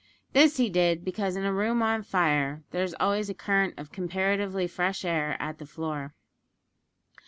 This he did, because in a room on fire there is always a current of comparatively fresh air at the floor.